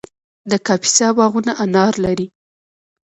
د کاپیسا باغونه انار لري.